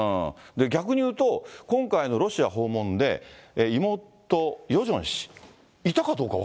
逆に言うと、今回のロシア訪問で、妹、ヨジョン氏、はい。